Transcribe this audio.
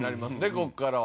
ここからは。